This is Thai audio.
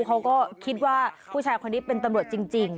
เขาก็คิดว่าผู้ชายคนนี้เป็นตำรวจจริง